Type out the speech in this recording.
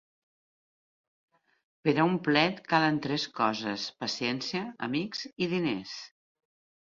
Per a un plet calen tres coses: paciència, amics i diners.